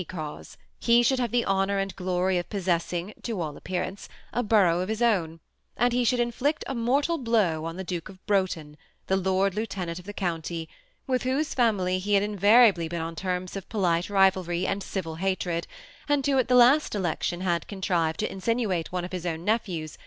cause ; he should have the honor and glory of possessing, to aU appear ance, a borough of his own ; and he should inflict a inoilal blow on the Duke of Brougbton, the lord lieutenant of the county, with whose family he had invariably been on terms of polite r^^alry and civil hatred, and who at the last election had contrived to insinuate one <^ his own nephews.